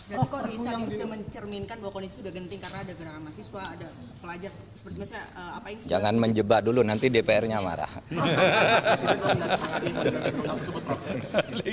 jadi kok bisa diusahakan mencerminkan bahwa kondisi sudah genting karena ada gerak mahasiswa ada pelajar